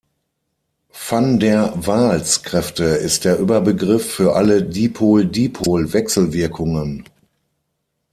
Van-der-Waals-Kräfte ist der Überbegriff für alle Dipol-Dipol-Wechselwirkungen.